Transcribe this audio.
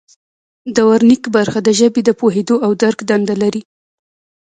د ورنیک برخه د ژبې د پوهیدو او درک دنده لري